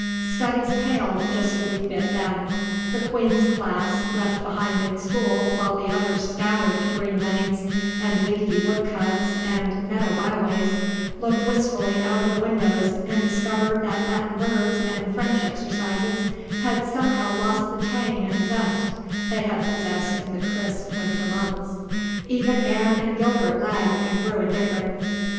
Studies palled just a wee bit then; the Queen's class, left behind in school while the others scattered to green lanes and leafy wood cuts and meadow byways, looked wistfully out of the windows and discovered that Latin verbs and French exercises had somehow lost the tang and zest they had possessed in the crisp winter months. Even Anne and Gilbert lagged and grew indifferent.